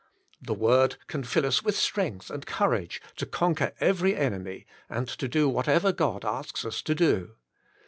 The word can fill us with strength and cour age to conquer every enemy, and to do whatever God asks us to do.